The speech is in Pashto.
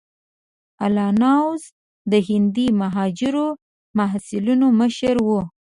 الله نواز د هندي مهاجرو محصلینو مشر وو.